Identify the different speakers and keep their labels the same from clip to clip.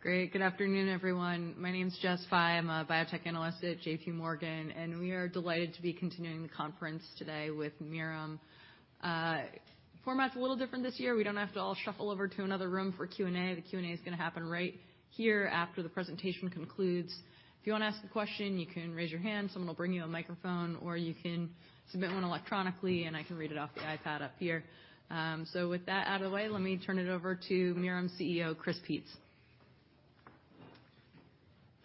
Speaker 1: Great. Good afternoon, everyone. My name is Jessica Fye. I'm a biotech analyst at J.P. Morgan, and we are delighted to be continuing the conference today with Mirum. Format's a little different this year. We don't have to all shuffle over to another room for Q&A. The Q&A is gonna happen right here after the presentation concludes. If you wanna ask a question, you can raise your hand. Someone will bring you a microphone, or you can submit one electronically, and I can read it off the iPad up here. With that out of the way, let me turn it over to Mirum's CEO, Chris Peetz.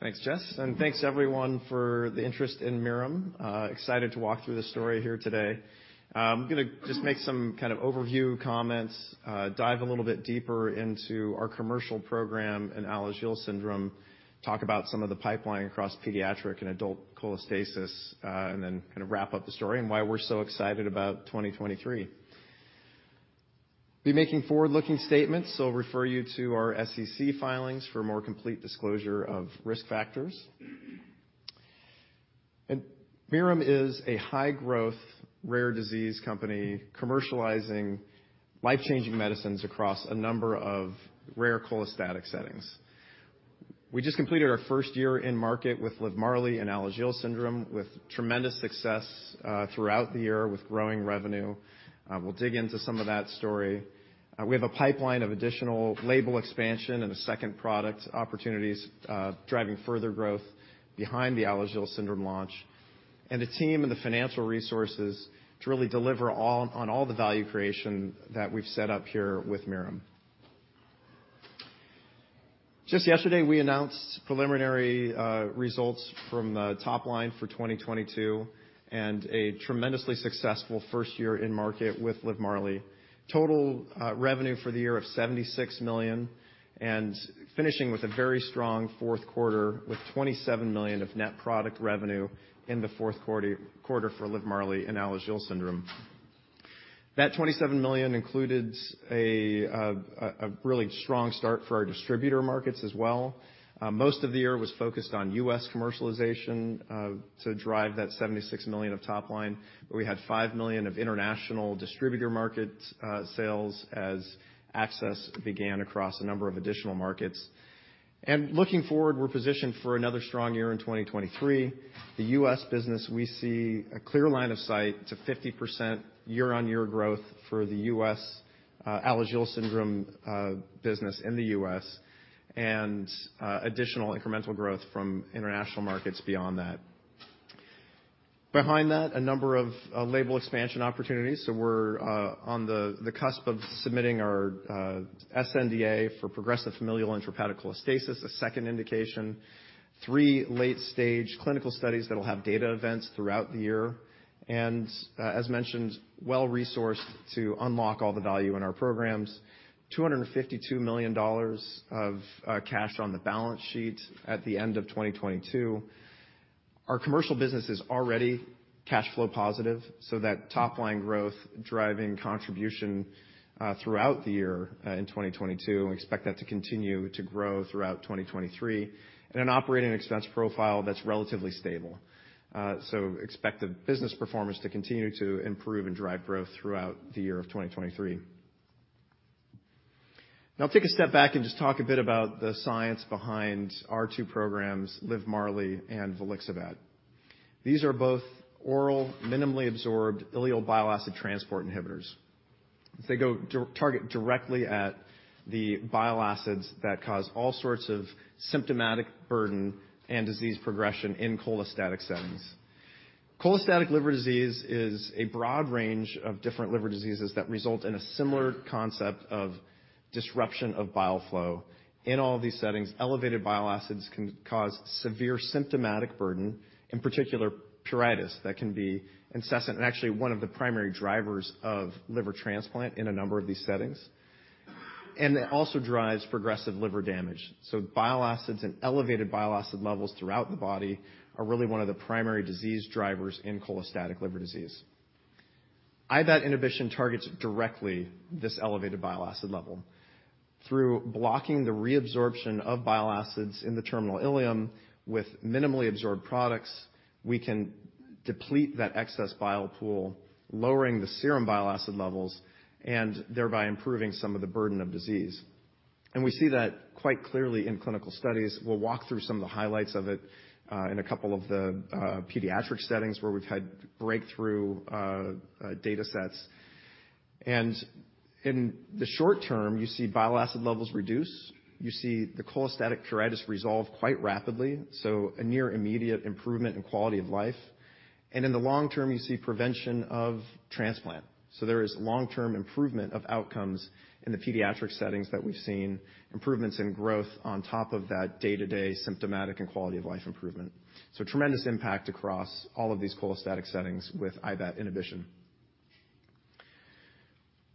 Speaker 2: Thanks, Jess. Thanks everyone for the interest in Mirum. Excited to walk through the story here today. Going to just make some kind of overview comments, dive a little bit deeper into our commercial program in Alagille syndrome, talk about some of the pipeline across pediatric and adult cholestasis, then kind of wrap up the story and why we're so excited about 2023. Be making forward-looking statements, refer you to our SEC filings for more complete disclosure of risk factors. Mirum is a high-growth, rare disease company commercializing life-changing medicines across a number of rare cholestatic settings. We just completed our first year in market with LIVMARLI and Alagille syndrome, with tremendous success throughout the year with growing revenue. We'll dig into some of that story. We have a pipeline of additional label expansion and the second product opportunities, driving further growth behind the Alagille syndrome launch, and a team and the financial resources to really deliver on all the value creation that we've set up here with Mirum. Just yesterday, we announced preliminary results from top line for 2022 and a tremendously successful first year in market with LIVMARLI. Total revenue for the year of $76 million, and finishing with a very strong fourth quarter with $27 million of net product revenue in the fourth quarter for LIVMARLI in Alagille syndrome. That $27 million included a really strong start for our distributor markets as well. Most of the year was focused on U.S. commercialization to drive that $76 million of top line. We had $5 million of international distributor market sales as access began across a number of additional markets. Looking forward, we're positioned for another strong year in 2023. The U.S. business, we see a clear line of sight to 50% year-on-year growth for the U.S. Alagille syndrome business in the U.S. and additional incremental growth from international markets beyond that. Behind that, a number of label expansion opportunities. We're on the cusp of submitting our sNDA for progressive familial intrahepatic cholestasis, a second indication, three late-stage clinical studies that'll have data events throughout the year, and as mentioned, well-resourced to unlock all the value in our programs. $252 million of cash on the balance sheet at the end of 2022. Our commercial business is already cash flow positive, so that top line growth driving contribution throughout the year in 2022, and we expect that to continue to grow throughout 2023. In an operating expense profile that's relatively stable. Expect the business performance to continue to improve and drive growth throughout the year of 2023. Now I'll take a step back and just talk a bit about the science behind our two programs, LIVMARLI and volixibat. These are both oral, minimally absorbed ileal bile acid transport inhibitors. They target directly at the bile acids that cause all sorts of symptomatic burden and disease progression in cholestatic settings. Cholestatic liver disease is a broad range of different liver diseases that result in a similar concept of disruption of bile flow. In all of these settings, elevated bile acids can cause severe symptomatic burden, in particular pruritus, that can be incessant, and actually 1 of the primary drivers of liver transplant in a number of these settings. It also drives progressive liver damage. Bile acids and elevated bile acid levels throughout the body are really 1 of the primary disease drivers in cholestatic liver disease. IBAT inhibition targets directly this elevated bile acid level. Through blocking the reabsorption of bile acids in the terminal ileum with minimally absorbed products, we can deplete that excess bile pool, lowering the serum bile acid levels and thereby improving some of the burden of disease. We see that quite clearly in clinical studies. We'll walk through some of the highlights of it in a couple of the pediatric settings where we've had breakthrough datasets. In the short term, you see bile acid levels reduce. You see the cholestatic pruritus resolve quite rapidly, so a near immediate improvement in quality of life. In the long term, you see prevention of transplant. There is long-term improvement of outcomes in the pediatric settings that we've seen, improvements in growth on top of that day-to-day symptomatic and quality of life improvement. Tremendous impact across all of these cholestatic settings with IBAT inhibition.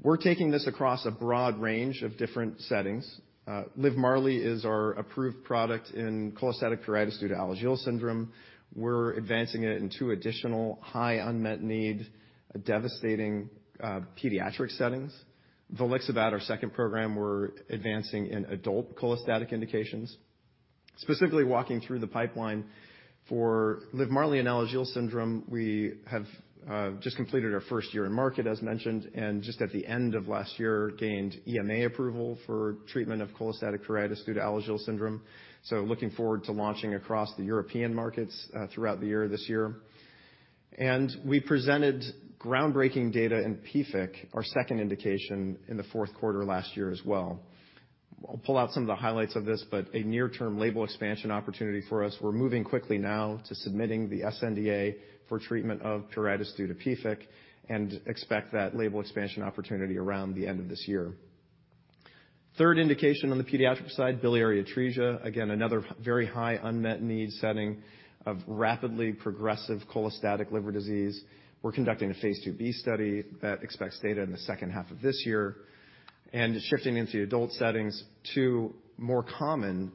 Speaker 2: We're taking this across a broad range of different settings. LIVMARLI is our approved product in cholestatic pruritus due to Alagille syndrome. We're advancing it in two additional high unmet need, devastating pediatric settings. volixibat, our second program, we're advancing in adult cholestatic indications. Specifically walking through the pipeline for LIVMARLI and Alagille syndrome, we have just completed our first year in market as mentioned, and just at the end of last year gained EMA approval for treatment of cholestatic pruritus due to Alagille syndrome. Looking forward to launching across the European markets throughout the year this year. We presented groundbreaking data in PFIC, our second indication in the fourth quarter last year as well. I'll pull out some of the highlights of this, but a near-term label expansion opportunity for us. We're moving quickly now to submitting the sNDA for treatment of pruritus due to PFIC and expect that label expansion opportunity around the end of this year. Third indication on the pediatric side, biliary atresia, again, another very high unmet need setting of rapidly progressive cholestatic liver disease. We're conducting a Phase IIb study that expects data in the second half of this year. Shifting into adult settings to more common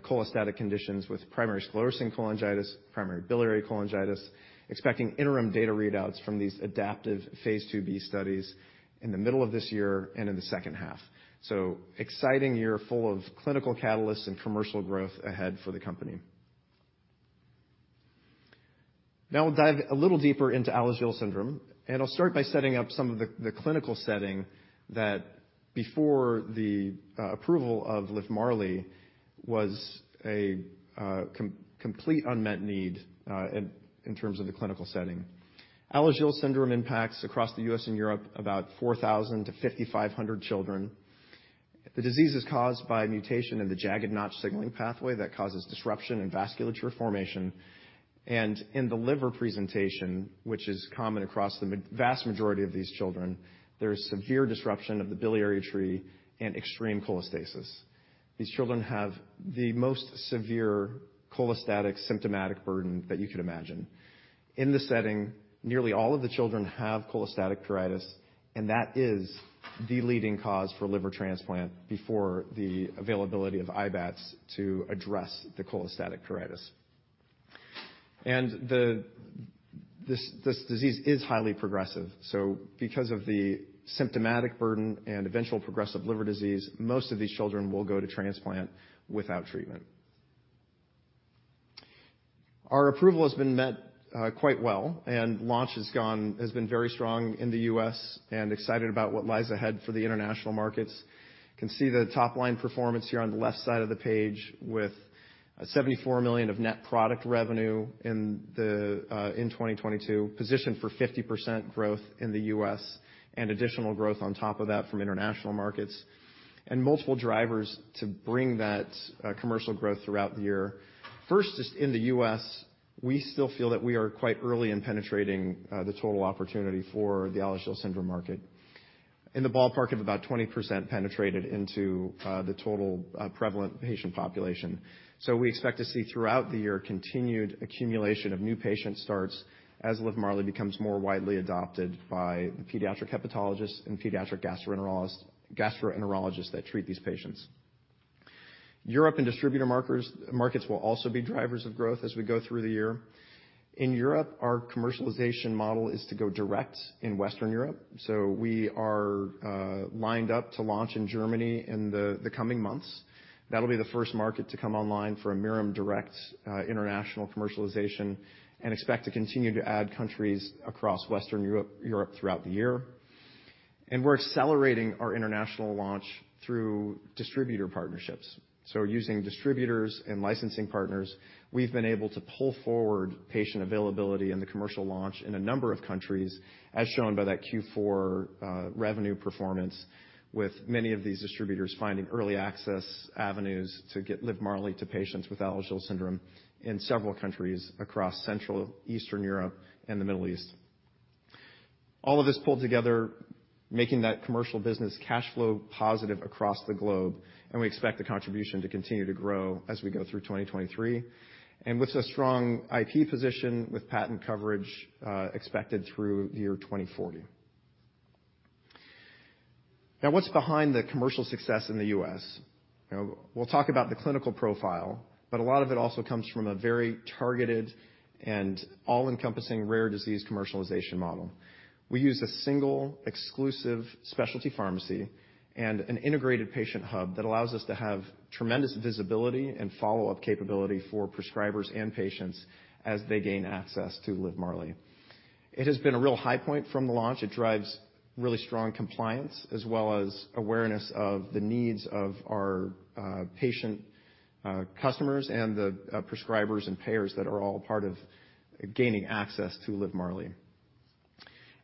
Speaker 2: cholestatic conditions with primary sclerosing cholangitis, primary biliary cholangitis, expecting interim data readouts from these adaptive Phase IIb studies in the middle of this year and in the second half. Exciting year full of clinical catalysts and commercial growth ahead for the company. Now we'll dive a little deeper into Alagille syndrome, and I'll start by setting up some of the clinical setting that before the approval of LIVMARLI was a complete unmet need in terms of the clinical setting. Alagille syndrome impacts across the U.S. and Europe, about 4,000 to 5,500 children. The disease is caused by mutation in the Jagged-Notch signaling pathway that causes disruption in vasculature formation. In the liver presentation, which is common across the vast majority of these children, there is severe disruption of the biliary tree and extreme cholestasis. These children have the most severe cholestatic symptomatic burden that you could imagine. In this setting, nearly all of the children have cholestatic pruritus, and that is the leading cause for liver transplant before the availability of IBATS to address the cholestatic pruritus. This disease is highly progressive. Because of the symptomatic burden and eventual progressive liver disease, most of these children will go to transplant without treatment. Our approval has been met quite well, and launch has been very strong in the U.S. and excited about what lies ahead for the international markets. Can see the top-line performance here on the left side of the page with $74 million of net product revenue in 2022, positioned for 50% growth in the U.S. and additional growth on top of that from international markets, multiple drivers to bring that commercial growth throughout the year. First is in the U.S., we still feel that we are quite early in penetrating the total opportunity for the Alagille syndrome market. In the ballpark of about 20% penetrated into the total prevalent patient population. We expect to see throughout the year continued accumulation of new patient starts as LIVMARLI becomes more widely adopted by the pediatric hepatologists and pediatric gastroenterologists that treat these patients. Europe and distributor markets will also be drivers of growth as we go through the year. In Europe, our commercialization model is to go direct in Western Europe. We are lined up to launch in Germany in the coming months. That'll be the first market to come online for a Mirum direct international commercialization and expect to continue to add countries across Western Europe throughout the year. We're accelerating our international launch through distributor partnerships. Using distributors and licensing partners, we've been able to pull forward patient availability and the commercial launch in a number of countries, as shown by that Q4 revenue performance, with many of these distributors finding early access avenues to get LIVMARLI to patients with Alagille syndrome in several countries across Central, Eastern Europe, and the Middle East. All of this pulled together, making that commercial business cash flow positive across the globe. We expect the contribution to continue to grow as we go through 2023. With a strong IP position with patent coverage expected through year 2040. Now, what's behind the commercial success in the U.S.? You know, we'll talk about the clinical profile, but a lot of it also comes from a very targeted and all-encompassing rare disease commercialization model. We use a single, exclusive specialty pharmacy and an integrated patient hub that allows us to have tremendous visibility and follow-up capability for prescribers and patients as they gain access to LIVMARLI. It has been a real high point from the launch. It drives really strong compliance as well as awareness of the needs of our patient customers and the prescribers and payers that are all part of gaining access to LIVMARLI.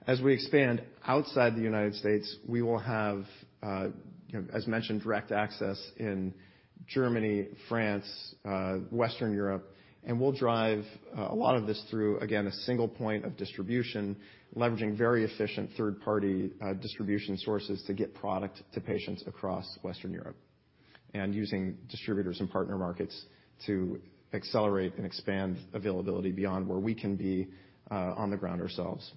Speaker 2: As we expand outside the United States, we will have, you know, as mentioned, direct access in Germany, France, Western Europe, and we'll drive a lot of this through, again, a single point of distribution, leveraging very efficient third-party distribution sources to get product to patients across Western Europe and using distributors and partner markets to accelerate and expand availability beyond where we can be on the ground ourselves.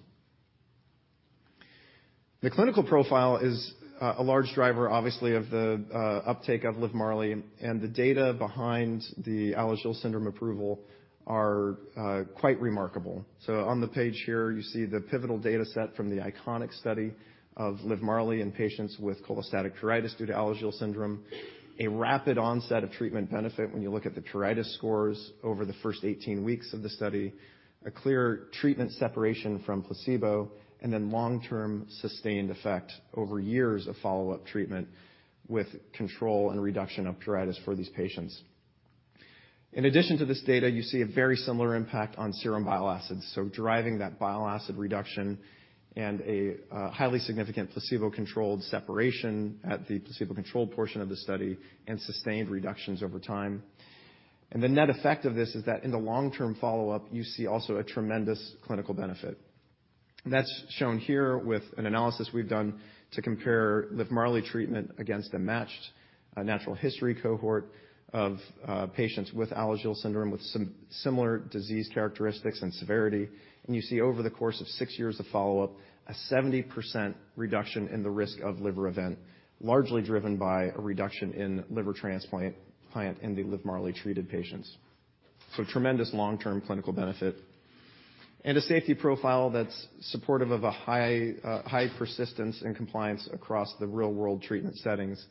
Speaker 2: The clinical profile is a large driver obviously of the uptake of LIVMARLI, and the data behind the Alagille syndrome approval are quite remarkable. On the page here, you see the pivotal data set from the ICONIC study of LIVMARLI in patients with cholestatic pruritus due to Alagille syndrome. A rapid onset of treatment benefit when you look at the pruritus scores over the first 18 weeks of the study, a clear treatment separation from placebo, and then long-term sustained effect over years of follow-up treatment with control and reduction of pruritus for these patients. In addition to this data, you see a very similar impact on serum bile acids. Driving that bile acid reduction and a highly significant placebo-controlled separation at the placebo-controlled portion of the study and sustained reductions over time. The net effect of this is that in the long-term follow-up, you see also a tremendous clinical benefit. That's shown here with an analysis we've done to compare LIVMARLI treatment against a matched natural history cohort of patients with Alagille syndrome with similar disease characteristics and severity. You see over the course of 6 years of follow-up, a 70% reduction in the risk of liver event, largely driven by a reduction in liver transplant client in the LIVMARLI-treated patients. Tremendous long-term clinical benefit. A safety profile that's supportive of a high persistence and compliance across the real-world treatment settings,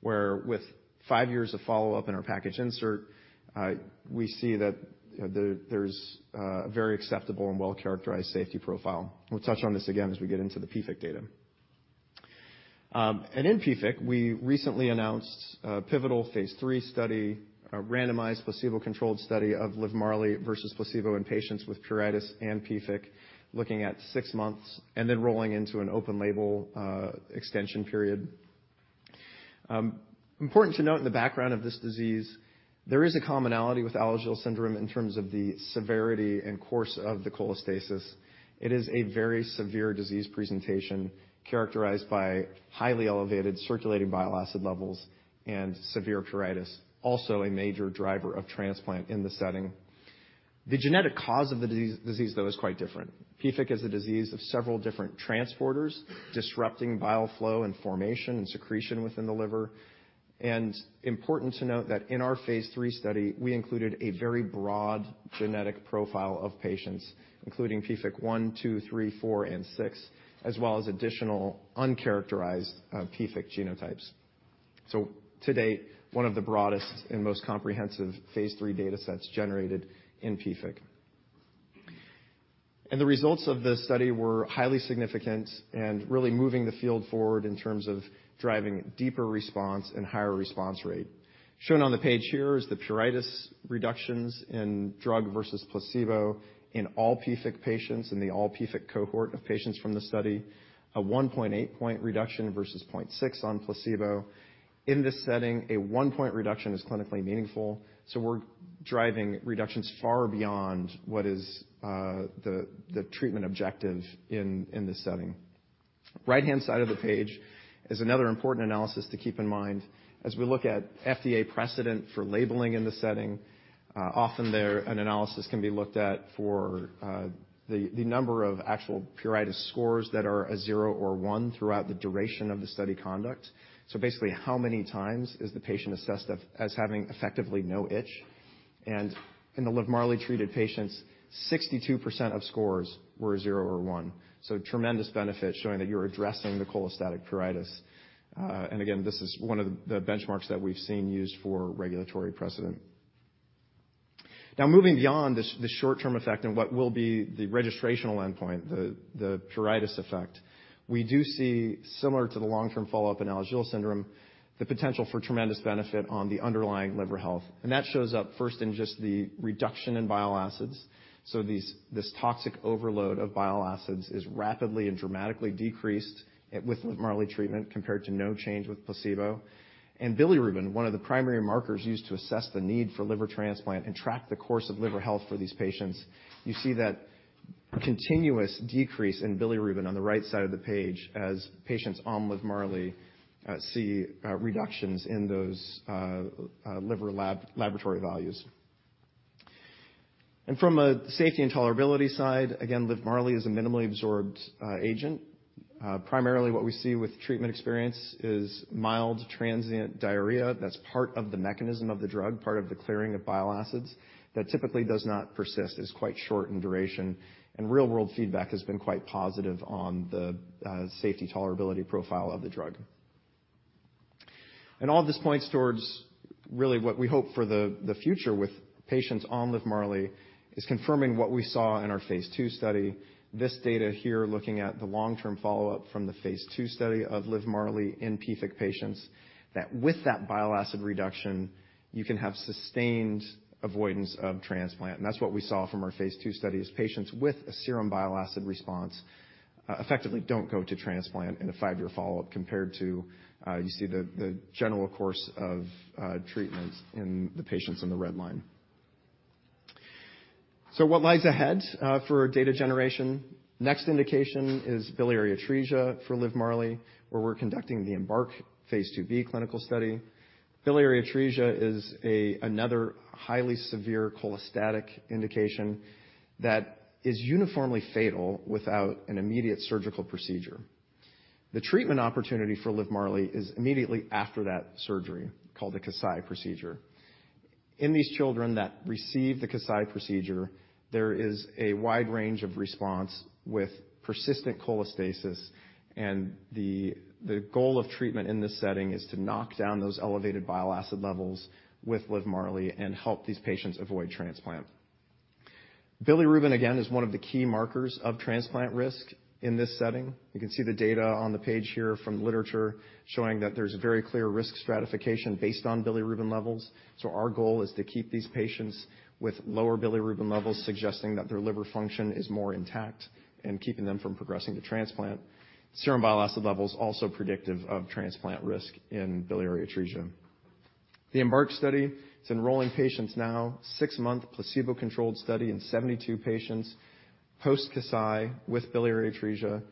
Speaker 2: where with 5 years of follow-up in our package insert, we see that there's a very acceptable and well-characterized safety profile. We'll touch on this again as we get into the PFIC data. In PFIC, we recently announced a pivotal phase III study, a randomized placebo-controlled study of LIVMARLI versus placebo in patients with pruritus and PFIC, looking at 6 months and then rolling into an open label extension period. Important to note in the background of this disease, there is a commonality with Alagille syndrome in terms of the severity and course of the cholestasis. It is a very severe disease presentation characterized by highly elevated circulating bile acid levels and severe pruritus, also a major driver of transplant in the setting. The genetic cause of the disease, though, is quite different. PFIC is a disease of several different transporters, disrupting bile flow and formation and secretion within the liver. Important to note that in our phase III study, we included a very broad genetic profile of patients, including PFIC 1, 2, 3, 4, and 6, as well as additional uncharacterized PFIC genotypes. To date, one of the broadest and most comprehensive phase III data sets generated in PFIC. The results of this study were highly significant and really moving the field forward in terms of driving deeper response and higher response rate. Shown on the page here is the pruritus reductions in drug versus placebo in all PFIC patients in the all PFIC cohort of patients from the study, a 1.8 point reduction versus 0.6 on placebo. In this setting, a 1-point reduction is clinically meaningful, so we're driving reductions far beyond what is the treatment objective in this setting. Right-hand side of the page is another important analysis to keep in mind. As we look at FDA precedent for labeling in this setting, often there an analysis can be looked at for the number of actual pruritus scores that are a 0 or 1 throughout the duration of the study conduct. Basically, how many times is the patient assessed as having effectively no itch? And in the LIVMARLI-treated patients, 62% of scores were a 0 or 1. Tremendous benefit showing that you're addressing the cholestatic pruritus. Again, this is one of the benchmarks that we've seen used for regulatory precedent. Now, moving beyond the short-term effect and what will be the registrational endpoint, the pruritus effect, we do see similar to the long-term follow-up in Alagille syndrome, the potential for tremendous benefit on the underlying liver health. That shows up first in just the reduction in bile acids. This toxic overload of bile acids is rapidly and dramatically decreased with LIVMARLI treatment compared to no change with placebo. bilirubin, one of the primary markers used to assess the need for liver transplant and track the course of liver health for these patients, you see that continuous decrease in bilirubin on the right side of the page as patients on LIVMARLI see reductions in those liver laboratory values. From a safety and tolerability side, again, LIVMARLI is a minimally absorbed agent. Primarily what we see with treatment experience is mild transient diarrhea that's part of the mechanism of the drug, part of the clearing of bile acids that typically does not persist, is quite short in duration, and real-world feedback has been quite positive on the safety tolerability profile of the drug. All this points towards really what we hope for the future with patients on LIVMARLI is confirming what we saw in our phase II study. This data here looking at the long-term follow-up from the phase II study of LIVMARLI in PFIC patients, that with that bile acid reduction, you can have sustained avoidance of transplant. That's what we saw from our phase II study is patients with a serum bile acid response, effectively don't go to transplant in a 5-year follow-up compared to, you see the general course of, treatment in the patients in the red line. What lies ahead for data generation? Next indication is biliary atresia for LIVMARLI, where we're conducting the EMBARK Phase IIb clinical study. Biliary atresia is another highly severe cholestatic indication that is uniformly fatal without an immediate surgical procedure. The treatment opportunity for LIVMARLI is immediately after that surgery, called the Kasai procedure. In these children that receive the Kasai procedure, there is a wide range of response with persistent cholestasis, and the goal of treatment in this setting is to knock down those elevated bile acid levels with LIVMARLI and help these patients avoid transplant. Bilirubin, again, is one of the key markers of transplant risk in this setting. You can see the data on the page here from literature showing that there's very clear risk stratification based on bilirubin levels. Our goal is to keep these patients with lower bilirubin levels, suggesting that their liver function is more intact and keeping them from progressing to transplant. Serum bile acid levels also predictive of transplant risk in biliary atresia. The EMBARK study is enrolling patients now, 6-month placebo-controlled study in 72 patients post Kasai with biliary atresia,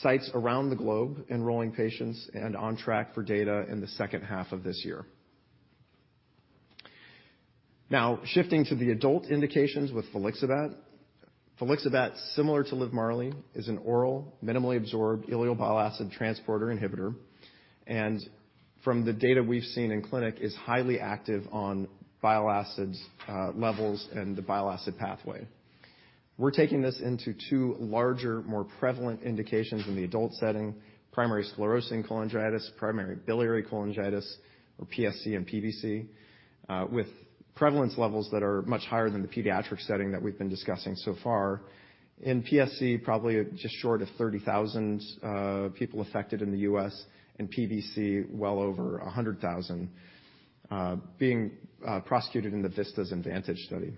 Speaker 2: sites around the globe enrolling patients and on track for data in the second half of this year. Now shifting to the adult indications with volixibat. Volixibat, similar to LIVMARLI, is an oral, minimally absorbed ileal bile acid transporter inhibitor. From the data we've seen in clinic, is highly active on bile acids levels and the bile acid pathway. We're taking this into two larger, more prevalent indications in the adult setting, primary sclerosing cholangitis, primary biliary cholangitis, or PSC and PBC, with prevalence levels that are much higher than the pediatric setting that we've been discussing so far. In PSC, probably just short of 30,000 people affected in the U.S., and PBC well over 100,000 being prosecuted in the VISTAS and VANTAGE study.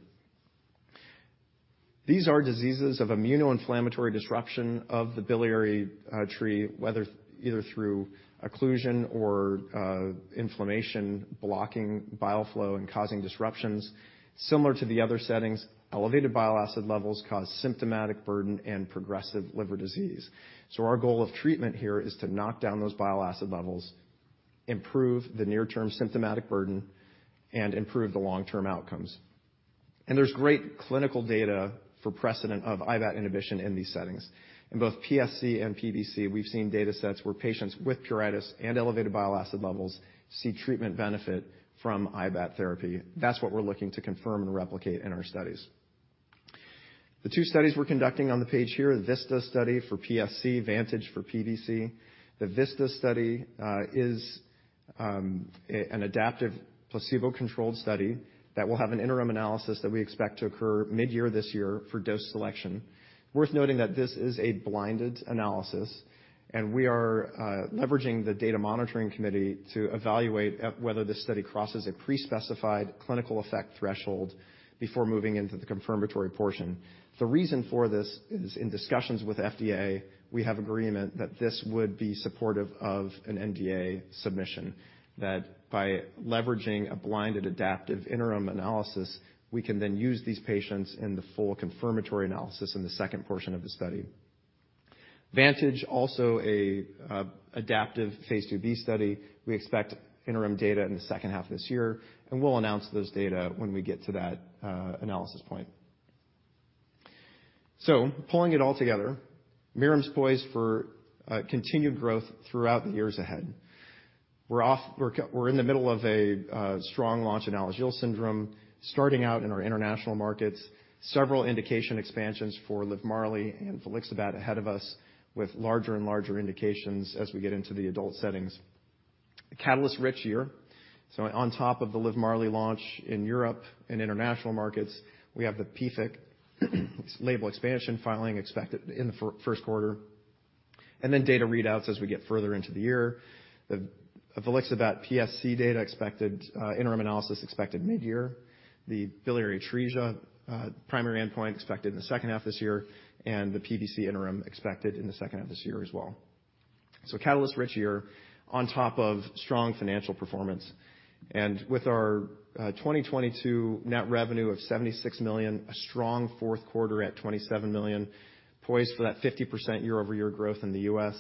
Speaker 2: These are diseases of immunoinflammatory disruption of the biliary tree, whether either through occlusion or inflammation, blocking bile flow and causing disruptions. Similar to the other settings, elevated bile acid levels cause symptomatic burden and progressive liver disease. Our goal of treatment here is to knock down those bile acid levels, improve the near-term symptomatic burden, and improve the long-term outcomes. There's great clinical data for precedent of IBAT inhibition in these settings. In both PSC and PBC, we've seen data sets where patients with pruritus and elevated bile acid levels see treatment benefit from IBAT therapy. That's what we're looking to confirm and replicate in our studies. The two studies we're conducting on the page here, VISTAS study for PSC, VANTAGE for PBC. The VISTAS study is an adaptive placebo-controlled study that will have an interim analysis that we expect to occur mid-year this year for dose selection. Worth noting that this is a blinded analysis, and we are leveraging the Data Monitoring Committee to evaluate whether this study crosses a pre-specified clinical effect threshold before moving into the confirmatory portion. The reason for this is in discussions with FDA, we have agreement that this would be supportive of an NDA submission, that by leveraging a blinded adaptive interim analysis, we can then use these patients in the full confirmatory analysis in the second portion of the study. VANTAGE also a adaptive Phase IIb study. We expect interim data in the second half of this year, and we'll announce those data when we get to that analysis point. Pulling it all together, Mirum's poised for continued growth throughout the years ahead. We're in the middle of a strong launch in Alagille syndrome, starting out in our international markets, several indication expansions for LIVMARLI and volixibat ahead of us with larger and larger indications as we get into the adult settings. A catalyst-rich year. On top of the LIVMARLI launch in Europe and international markets, we have the PFIC label expansion filing expected in the first quarter. Data readouts as we get further into the year. The volixibat PSC data expected, interim analysis expected mid-year. The biliary atresia primary endpoint expected in the second half of this year, and the PBC interim expected in the second half of this year as well. Catalyst-rich year on top of strong financial performance. With our 2022 net revenue of $76 million, a strong fourth quarter at $27 million, poised for that 50% year-over-year growth in the U.S.,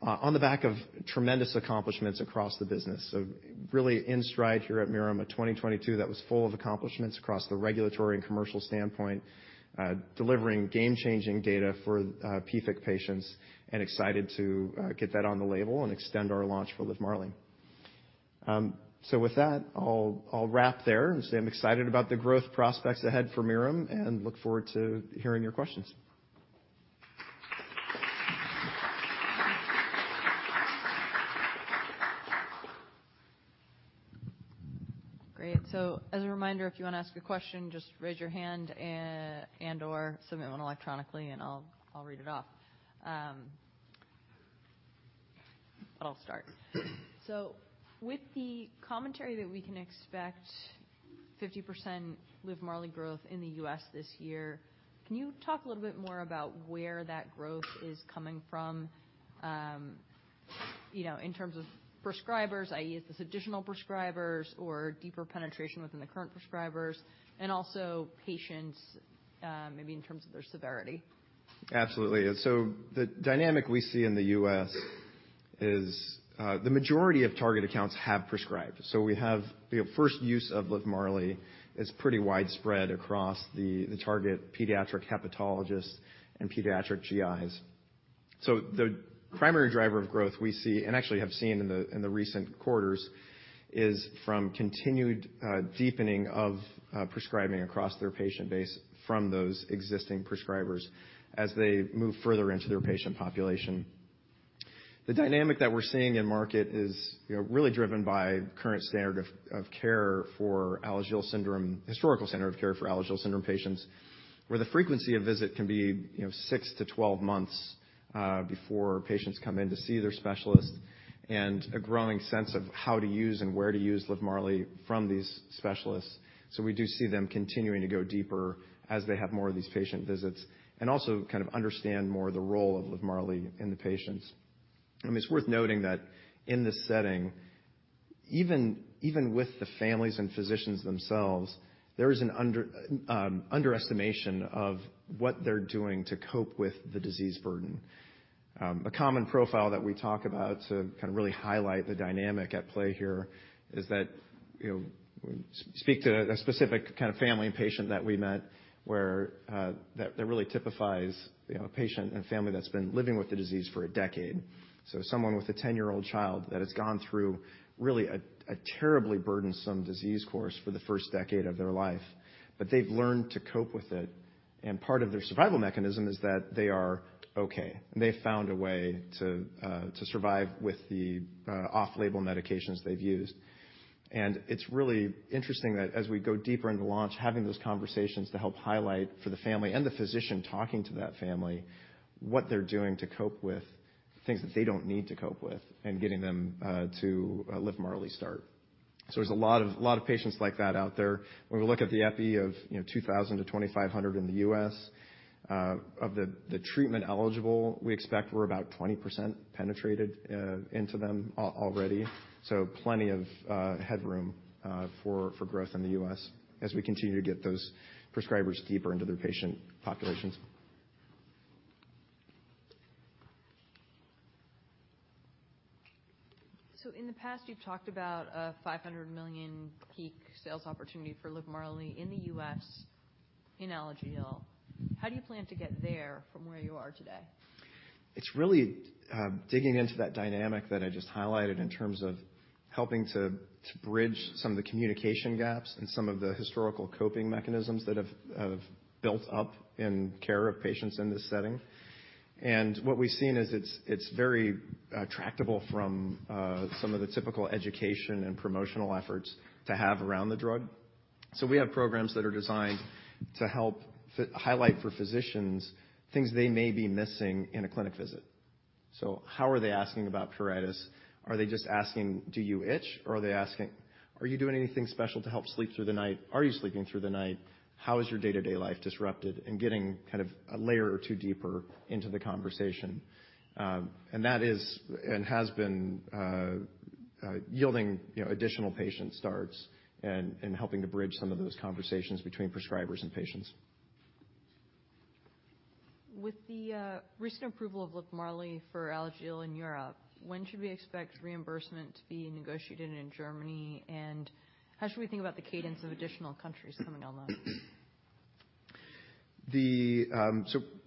Speaker 2: on the back of tremendous accomplishments across the business. Really in stride here at Mirum, a 2022 that was full of accomplishments across the regulatory and commercial standpoint, delivering game-changing data for PFIC patients and excited to get that on the label and extend our launch for LIVMARLI. With that, I'll wrap there and say I'm excited about the growth prospects ahead for Mirum and look forward to hearing your questions.
Speaker 1: Great. As a reminder, if you wanna ask a question, just raise your hand and or submit one electronically, and I'll read it off. I'll start. With the commentary that we can expect 50% LIVMARLI growth in the U.S. this year, can you talk a little bit more about where that growth is coming from, you know, in terms of prescribers, i.e. is this additional prescribers or deeper penetration within the current prescribers, and also patients, maybe in terms of their severity?
Speaker 2: Absolutely. The dynamic we see in the U.S. is the majority of target accounts have prescribed. We have, you know, first use of LIVMARLI is pretty widespread across the target pediatric hepatologists and pediatric GIs. The primary driver of growth we see, and actually have seen in the, in the recent quarters, is from continued deepening of prescribing across their patient base from those existing prescribers as they move further into their patient population. The dynamic that we're seeing in market is, you know, really driven by current standard of care for Alagille syndrome, historical standard of care for Alagille syndrome patients, where the frequency of visit can be, you know, 6-2 months before patients come in to see their specialist, and a growing sense of how to use and where to use LIVMARLI from these specialists. We do see them continuing to go deeper as they have more of these patient visits, and also kind of understand more of the role of LIVMARLI in the patients. I mean, it's worth noting that in this setting, even with the families and physicians themselves, there is an underestimation of what they're doing to cope with the disease burden. A common profile that we talk about to kind of really highlight the dynamic at play here is that, you know, speak to a specific kind of family and patient that we met where that really typifies, you know, a patient and family that's been living with the disease for a decade. Someone with a 10-year-old child that has gone through really a terribly burdensome disease course for the first decade of their life, but they've learned to cope with it. Part of their survival mechanism is that they are okay, and they found a way to survive with the off-label medications they've used. It's really interesting that as we go deeper into launch, having those conversations to help highlight for the family and the physician talking to that family, what they're doing to cope with things that they don't need to cope with, and getting them to a LIVMARLI start. There's a lot of patients like that out there. When we look at the epi of, you know, 2,000-2,500 in the U.S., of the treatment eligible, we expect we're about 20% penetrated into them already. Plenty of headroom for growth in the U.S. as we continue to get those prescribers deeper into their patient populations.
Speaker 1: In the past, you've talked about a $500 million peak sales opportunity for LIVMARLI in the US in Alagille. How do you plan to get there from where you are today?
Speaker 2: It's really digging into that dynamic that I just highlighted in terms of helping to bridge some of the communication gaps and some of the historical coping mechanisms that have built up in care of patients in this setting. What we've seen is it's very attractable from some of the typical education and promotional efforts to have around the drug. We have programs that are designed to help highlight for physicians things they may be missing in a clinic visit. How are they asking about pruritus? Are they just asking, "Do you itch?" Are they asking, "Are you doing anything special to help sleep through the night? Are you sleeping through the night? How is your day-to-day life disrupted?" Getting kind of a layer or two deeper into the conversation. That is and has been yielding, you know, additional patient starts and helping to bridge some of those conversations between prescribers and patients.
Speaker 1: With the recent approval of LIVMARLI for Alagille in Europe, when should we expect reimbursement to be negotiated in Germany, and how should we think about the cadence of additional countries coming online?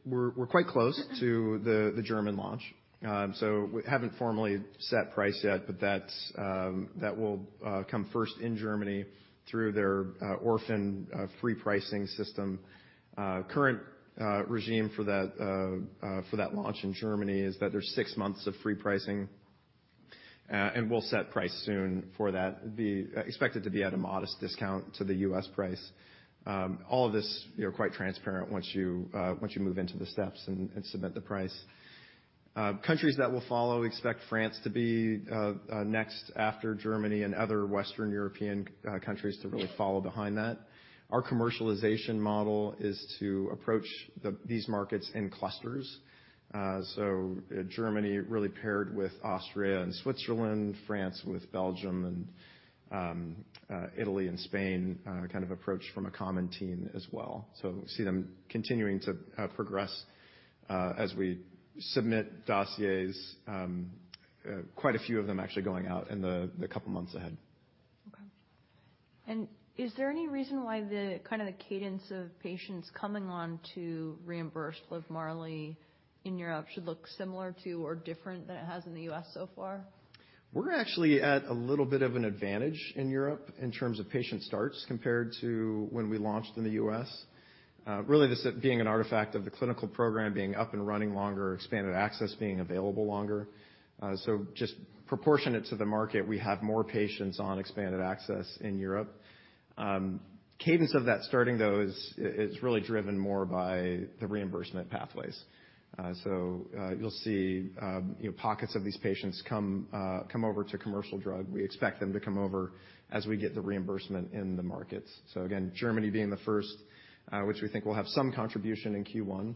Speaker 2: We're quite close to the German launch. We haven't formally set price yet, but that's that will come first in Germany through their orphan free pricing system. Current regime for that launch in Germany is that there's six months of free pricing. We'll set price soon for that, expected to be at a modest discount to the US price. All of this, you know, quite transparent once you once you move into the steps and submit the price. Countries that will follow expect France to be next after Germany and other Western European countries to really follow behind that. Our commercialization model is to approach these markets in clusters. Germany really paired with Austria and Switzerland, France with Belgium and Italy and Spain kind of approached from a common team as well. We see them continuing to progress as we submit dossiers, quite a few of them actually going out in the couple months ahead.
Speaker 1: Okay. Is there any reason why the kind of the cadence of patients coming on to reimburse LIVMARLI in Europe should look similar to or different than it has in the U.S. so far?
Speaker 2: We're actually at a little bit of an advantage in Europe in terms of patient starts compared to when we launched in the US. Really just it being an artifact of the clinical program being up and running longer, expanded access being available longer. Just proportionate to the market, we have more patients on expanded access in Europe. Cadence of that starting, though, is really driven more by the reimbursement pathways. You'll see, you know, pockets of these patients come over to commercial drug. We expect them to come over as we get the reimbursement in the markets. Again, Germany being the first, which we think will have some contribution in Q1.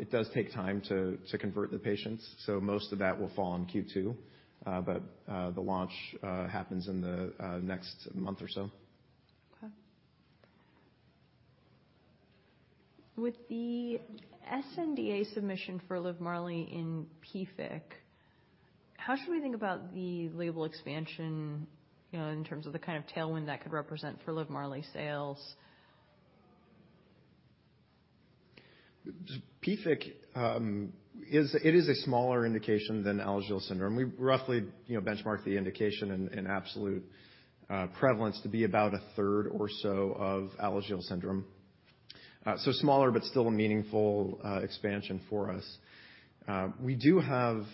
Speaker 2: It does take time to convert the patients, so most of that will fall in Q2. The launch happens in the next month or so.
Speaker 1: Okay. With the sNDA submission for LIVMARLI in PFIC, how should we think about the label expansion, you know, in terms of the kind of tailwind that could represent for LIVMARLI sales?
Speaker 2: PFIC, it is a smaller indication than Alagille syndrome. We roughly, you know, benchmark the indication in absolute prevalence to be about a third or so of Alagille syndrome. Smaller but still a meaningful expansion for us. We do have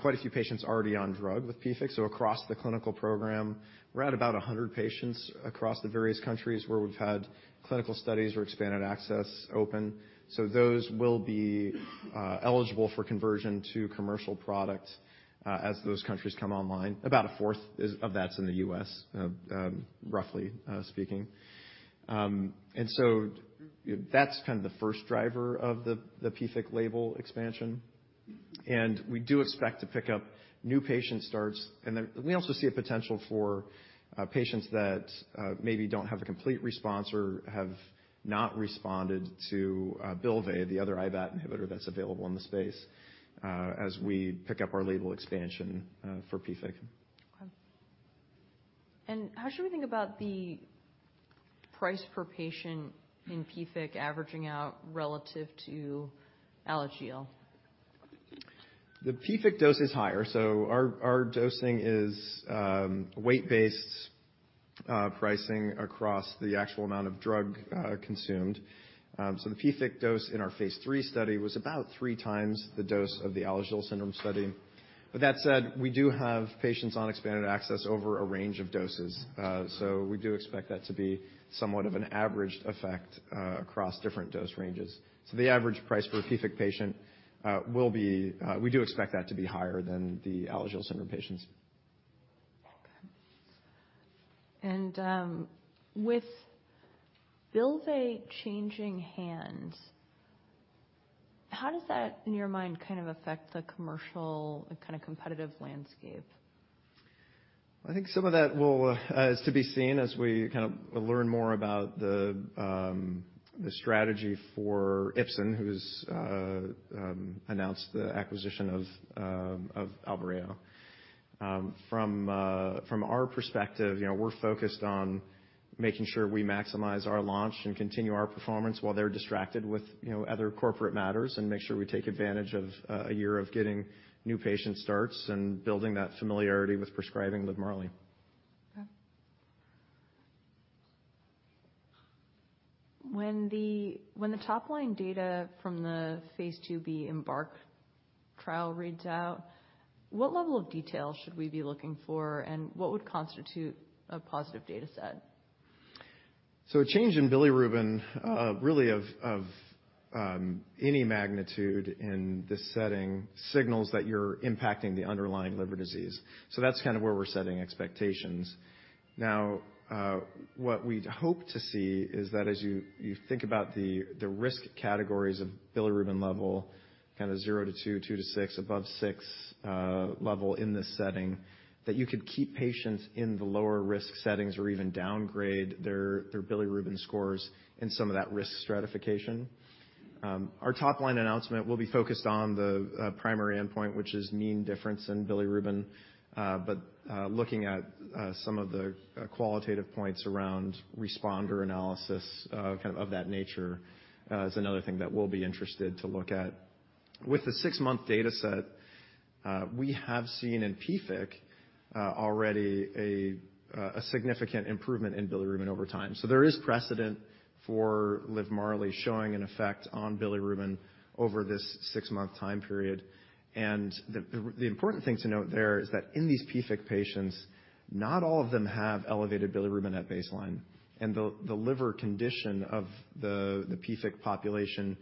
Speaker 2: quite a few patients already on drug with PFIC. Across the clinical program, we're at about 100 patients across the various countries where we've had clinical studies or expanded access open. Those will be eligible for conversion to commercial product as those countries come online. About a fourth of that's in the U.S., roughly speaking. That's kind of the first driver of the PFIC label expansion. We do expect to pick up new patient starts, and then we also see a potential for patients that maybe don't have the complete response or have not responded to Bylvay, the other IBAT inhibitor that's available in the space, as we pick up our label expansion for PFIC.
Speaker 1: Okay. How should we think about the price per patient in PFIC averaging out relative to Alagille?
Speaker 2: The PFIC dose is higher, our dosing is weight-based pricing across the actual amount of drug consumed. The PFIC dose in our phase III study was about 3 times the dose of the Alagille syndrome study. With that said, we do have patients on expanded access over a range of doses. We do expect that to be somewhat of an average effect across different dose ranges. The average price for a PFIC patient will be. We do expect that to be higher than the Alagille syndrome patients.
Speaker 1: Okay. With Bylvay changing hands, how does that, in your mind, kind of affect the commercial kind of competitive landscape?
Speaker 2: I think some of that will, is to be seen as we kind of learn more about the strategy for Ipsen, who's announced the acquisition of Albireo. From our perspective, you know, we're focused on making sure we maximize our launch and continue our performance while they're distracted with, you know, other corporate matters, and make sure we take advantage of a year of getting new patient starts and building that familiarity with prescribing LIVMARLI.
Speaker 1: Okay. When the top line data from the phase IIb EMBARK trial reads out, what level of detail should we be looking for, and what would constitute a positive data set?
Speaker 2: A change in bilirubin, really of any magnitude in this setting signals that you're impacting the underlying liver disease. That's kind of where we're setting expectations. Now, what we'd hope to see is that as you think about the risk categories of bilirubin level, kind of 0 to 2 to 6, above 6, level in this setting, that you could keep patients in the lower risk settings or even downgrade their bilirubin scores in some of that risk stratification. Our top-line announcement will be focused on the primary endpoint, which is mean difference in bilirubin. But looking at some of the qualitative points around responder analysis, kind of that nature, is another thing that we'll be interested to look at. With the six-month data set, we have seen in PFIC already a significant improvement in bilirubin over time. There is precedent for LIVMARLI showing an effect on bilirubin over this six-month time period. The important thing to note there is that in these PFIC patients, not all of them have elevated bilirubin at baseline. The liver condition of the PFIC population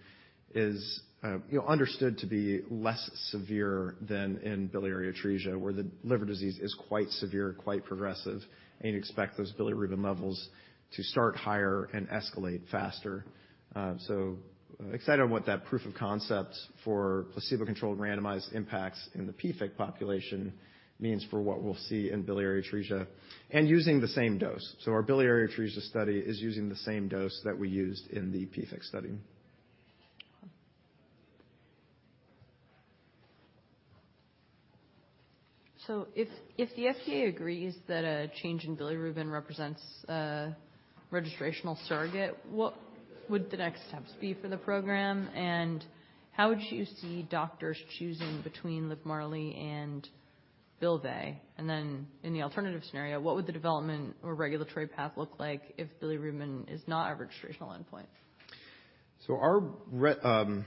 Speaker 2: is, you know, understood to be less severe than in biliary atresia, where the liver disease is quite severe, quite progressive, and you'd expect those bilirubin levels to start higher and escalate faster. Excited on what that proof of concept for placebo-controlled randomized impacts in the PFIC population means for what we'll see in biliary atresia and using the same dose. Our biliary atresia study is using the same dose that we used in the PFIC study.
Speaker 1: If the FDA agrees that a change in bilirubin represents a registrational surrogate, what would the next steps be for the program? How would you see doctors choosing between LIVMARLI and Bylvay? In the alternative scenario, what would the development or regulatory path look like if bilirubin is not a registrational endpoint?
Speaker 2: Our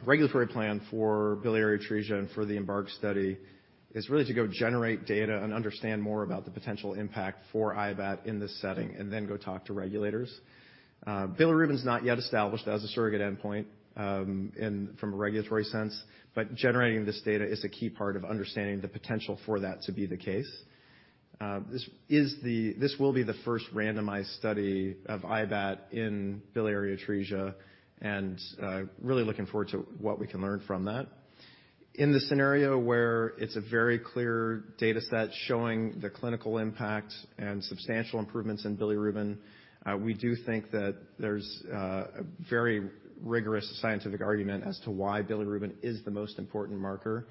Speaker 2: regulatory plan for biliary atresia and for the EMBARK study is really to go generate data and understand more about the potential impact for IBAT in this setting and then go talk to regulators. Bilirubin is not yet established as a surrogate endpoint from a regulatory sense, but generating this data is a key part of understanding the potential for that to be the case. This will be the first randomized study of IBAT in biliary atresia, and really looking forward to what we can learn from that. In the scenario where it's a very clear data set showing the clinical impact and substantial improvements in bilirubin, we do think that there's a very rigorous scientific argument as to why bilirubin is the most important marker.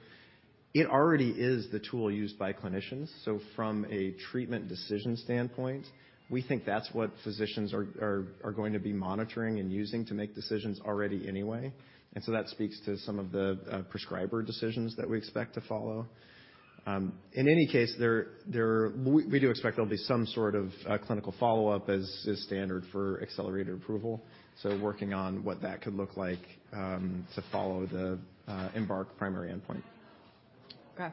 Speaker 2: It already is the tool used by clinicians, from a treatment decision standpoint, we think that's what physicians are going to be monitoring and using to make decisions already anyway. That speaks to some of the prescriber decisions that we expect to follow. In any case, we do expect there'll be some sort of clinical follow-up as standard for Accelerated Approval. Working on what that could look like to follow the EMBARK primary endpoint.
Speaker 1: Okay.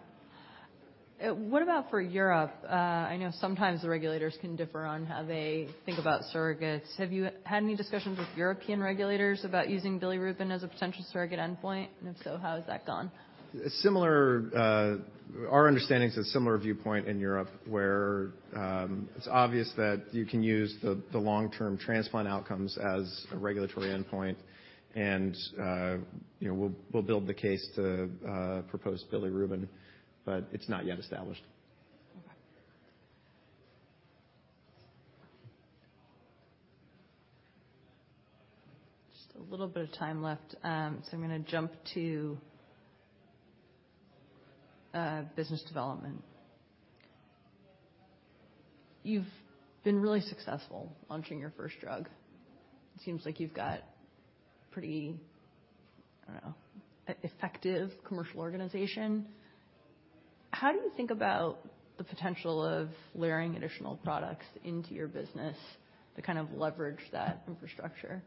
Speaker 1: What about for Europe? I know sometimes the regulators can differ on how they think about surrogates. Have you had any discussions with European regulators about using bilirubin as a potential surrogate endpoint? If so, how has that gone?
Speaker 2: Similar, our understanding is a similar viewpoint in Europe, where it's obvious that you can use the long-term transplant outcomes as a regulatory endpoint and, you know, we'll build the case to propose bilirubin, but it's not yet established.
Speaker 1: Just a little bit of time left, so I'm gonna jump to business development. You've been really successful launching your first drug. It seems like you've got pretty, I don't know, effective commercial organization. How do you think about the potential of layering additional products into your business to kind of leverage that infrastructure?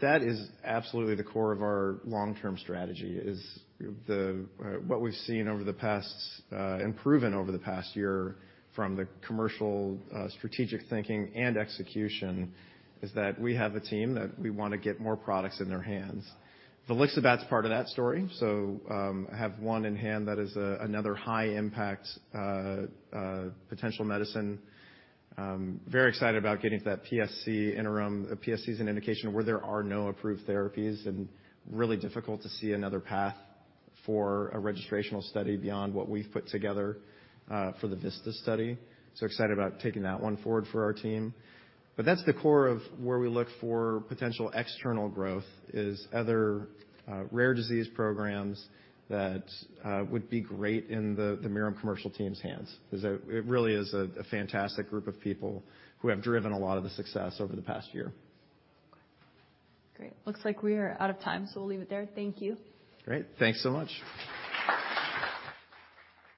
Speaker 2: That is absolutely the core of our long-term strategy is the what we've seen over the past and proven over the past year from the commercial strategic thinking and execution is that we wanna get more products in their hands. volixibat's part of that story. have one in hand that is another high impact potential medicine. Very excited about getting to that PSC interim. PSC is an indication where there are no approved therapies and really difficult to see another path for a registrational study beyond what we've put together for the VISTAS study. Excited about taking that one forward for our team. That's the core of where we look for potential external growth, is other rare disease programs that would be great in the Mirum commercial team's hands, 'cause it really is a fantastic group of people who have driven a lot of the success over the past year.
Speaker 1: Okay. Great. Looks like we are out of time, so we'll leave it there. Thank you.
Speaker 2: Great. Thanks so much.